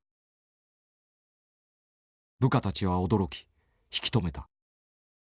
部下たちは驚き引き止めた。